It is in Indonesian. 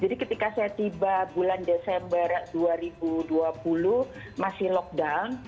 jadi ketika saya tiba bulan desember dua ribu dua puluh masih lockdown